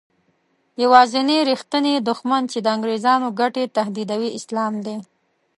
یوازینی رښتینی دښمن چې د انګریزانو ګټې تهدیدوي اسلام دی.